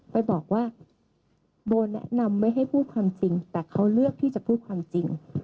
ไปบอกว่าโบแนะนำไม่ให้พูดความจริงแต่เขาเลือกที่จะพูดความจริง